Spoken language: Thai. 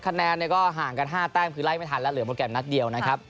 คะแนนเนี่ยก็ห่างกัน๕แต้มคือไล่ไม่ทันแล้วเหลือโปรแกรมนัดเดียวนะครับ